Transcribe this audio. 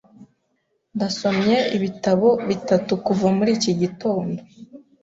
Nasomye ibitabo bitatu kuva muri iki gitondo.